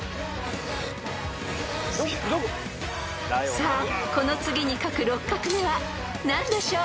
［さあこの次に書く６画目は何でしょう］